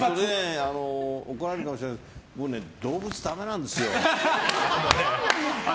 怒られるかもしれないけど僕、動物ダメなんですよ。